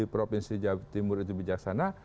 provinsi jawa timur itu bijaksana